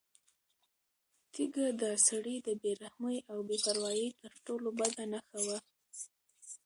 تیږه د سړي د بې رحمۍ او بې پروایۍ تر ټولو بده نښه وه.